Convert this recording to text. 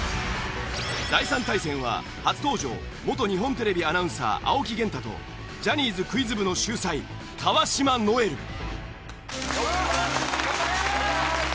第３対戦は初登場元日本テレビアナウンサー青木源太とジャニーズクイズ部の秀才川島如恵留。